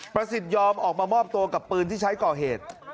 ประสิทธิ์ยอมออกมามอบตัวกับปืนที่ใช้ก่อเหตุ